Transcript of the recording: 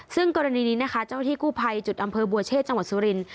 ซึ่งกรณีนี้นะคะเจ้าที่กู้ภัยจุดอำเภอบัวเชษจังหวัดสุรินท